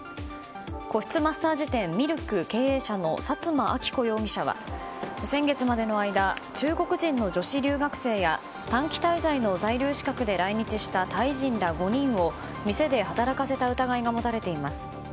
個室マッサージ店ミルク経営者の薩摩秋子容疑者は先月までの間中国人の女子留学生や短期滞在の在留資格で来日したタイ人ら５人を店で働かせた疑いが持たれています。